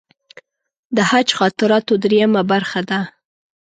د حج خاطراتو درېیمه برخه ده.